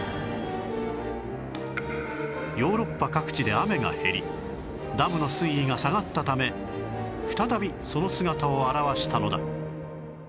ヨーロッパ各地で雨が減りダムの水位が下がったため再びその姿を現したのだ